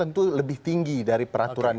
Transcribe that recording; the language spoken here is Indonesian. makamah agung tentu lebih tinggi dari peraturan